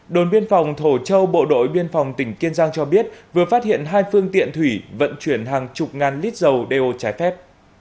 đồn biên phòng thổ châu bộ đội biên phòng tỉnh kiên giang cho biết vừa phát hiện hai phương tiện thủy vận chuyển hàng chục ngàn lít dầu đeo trái phép